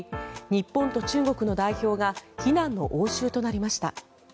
日本と中国の代表が非難の応酬となりました。